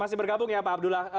masih bergabung ya pak abdullah